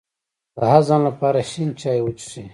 د هضم لپاره شین چای وڅښئ